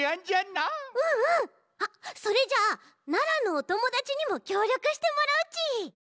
あっそれじゃあ奈良のおともだちにもきょうりょくしてもらうち。